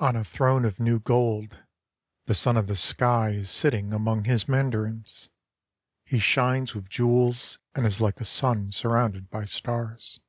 N a throne of new gold the Son of the Sky is sitting among his Mandarins. He shines with jewels and is like a sun surrounded by stars.